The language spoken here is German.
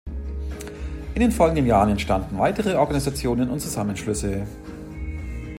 In den folgenden Jahren entstanden weitere Organisationen und Zusammenschlüsse.